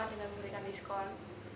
maaf dengan memberikan diskon